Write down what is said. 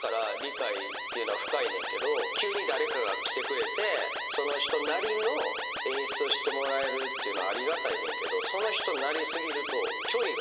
急に誰かが来てくれてその人なりの演出をしてもらえるっていうのはありがたいねんけどその人なり過ぎると距離が。